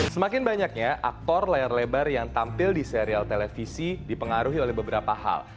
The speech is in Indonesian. semakin banyaknya aktor layar lebar yang tampil di serial televisi dipengaruhi oleh beberapa hal